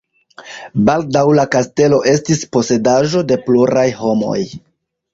Baldaŭ la kastelo estis posedaĵo de pluraj homoj.